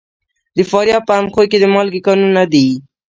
د فاریاب په اندخوی کې د مالګې کانونه دي.